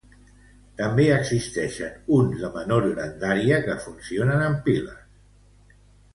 També existeixen uns de menor grandària que funcionen amb piles.